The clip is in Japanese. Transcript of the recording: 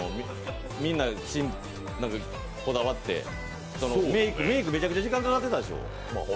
みんながこだわって、メイクめちゃくちゃ時間かかってたでしょ。